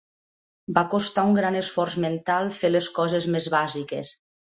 Va costar un gran esforç mental fer les coses més bàsiques.